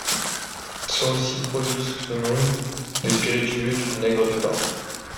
Sont aussi produits sous ce nom des spiritueux et du vinaigre de vin.